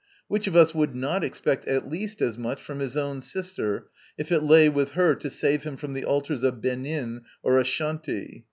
Which of us would not expect at least as much from his own sister, if it lay with her to save him from the altars of Benin or Ashanti?